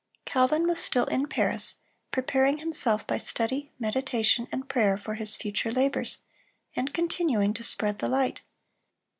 Calvin was still in Paris, preparing himself by study, meditation, and prayer, for his future labors, and continuing to spread the light.